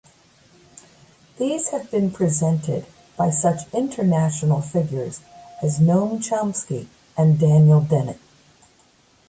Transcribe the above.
These have been presented by such international figures as Noam Chomsky and Daniel Dennett.